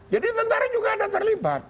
jadi tentara juga ada terlipat